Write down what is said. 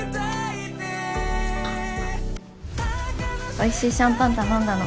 美味しいシャンパン頼んだの。